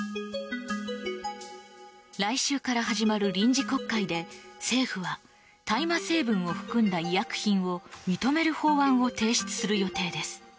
来週から始まる臨時国会で政府は大麻成分を含んだ医薬品を認める法案を提出する予定です。